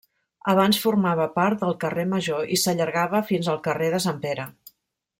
Abans formava part del Carrer Major i s'allargava fins al carrer de Sant Pere.